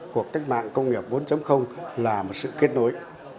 cuộc cách mạng công nghiệp bốn là một sự kết nối